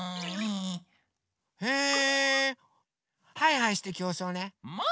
へえハイハイしてきょうそうね！もい！